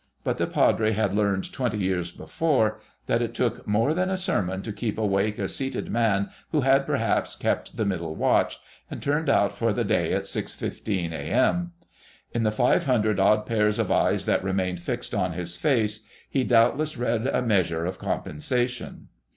But the "Padre" had learned twenty years before that it took more than a sermon to keep awake a seated man who had perhaps kept the middle watch, and turned out for the day at 6.15 A.M.; in the five hundred odd pairs of eyes that remained fixed on his face he doubtless read a measure of compensation.